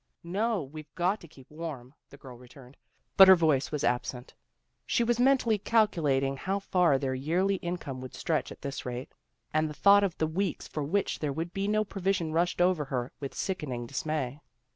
" No, we've got to keep warm," the girl returned, but her voice was absent. She was mentally calculating how far their yearly in come would stretch at this rate, and the thought of the weeks for which there would be no pro vision rushed over her with sickening dismay.